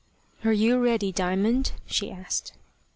"Are you ready, Diamond?" she asked.